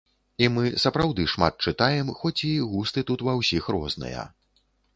І мы сапраўды шмат чытаем, хоць і густы тут ва ўсіх розныя.